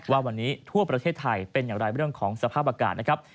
ว่าวันนี้ทั่วประเทศไทยเป็นอย่างไรเรื่องของสภาพอากาศนะครับ